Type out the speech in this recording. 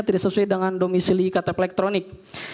tidak sesuai dengan domisi liikat elektronik